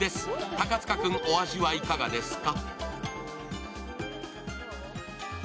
高塚君、お味はいかがですか？